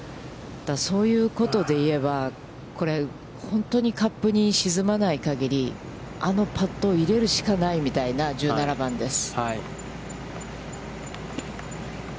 そういうことで言えば、これ、本当にカップに沈まない限り、あのパットを入れるしかないみたいな１７番です。